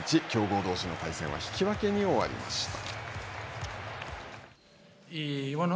強豪同士の対戦は引き分けに終わりました。